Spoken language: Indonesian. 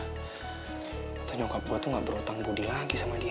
kita nyokap gue tuh gak berhutang budi lagi sama dia